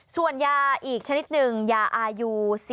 ส่วนยาอีกชนิดหนึ่งยาอายุ๔๐